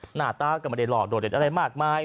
หน้าต้ากลับมาเรียนรอบโดดเร็ดอะไรมากมาย